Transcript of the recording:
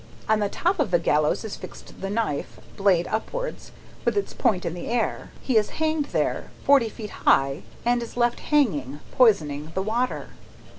"On the top of the gallows is fixed the knife, blade upwards, with its point in the air. He is hanged there forty feet high and is left hanging, poisoning the water."